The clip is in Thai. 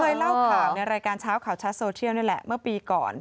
เคยเล่าข่าวในรายการเช้าข่าวชัดโซเทียลนี่แหละเมื่อปีก่อน